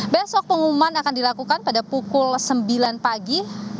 besok pengumuman akan dilakukan pada pukul sembilan pagi